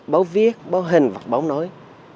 báo viết báo hình và báo nói